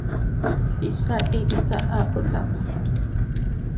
比赛地点在阿布扎比。